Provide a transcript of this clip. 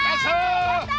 やった！